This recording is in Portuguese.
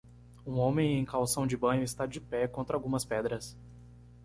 Um homem em calção de banho está de pé contra algumas pedras.